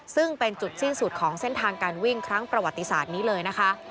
ซึ่งเป็นจุดสิ้นสุดของเส้นทางการวิ่งครั้งประวัติศาสตร์นี้เลยนะคะ